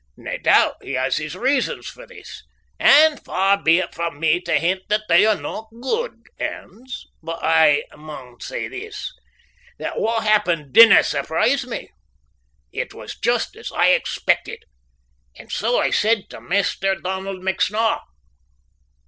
Nae doubt he has his reasons for this and far be it frae me tae hint that they are no' guid anes but I maun say this, that what happened didna surprise me. It was just as I expeckit, and so I said tae Maister Donald McSnaw.